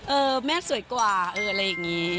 เออแม่สวยกว่าเอออะไรอย่างนี้